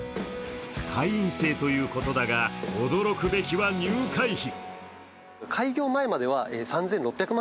会員制ということだが、驚くべきは入会費。